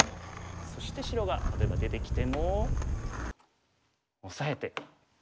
そして白が例えば出てきても押さえて。